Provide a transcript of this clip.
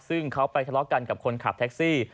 ซึ่งเขาไปทะเลาะกันกับคนขับแท็กซี่